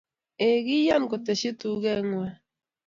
eeeh kiyan koteshi tugee ngwang